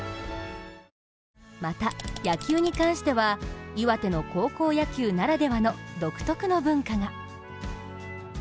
また野球に関しては、岩手の高校野球ならではの独特の文化が。